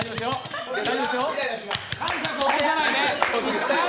かんしゃく起こさないで！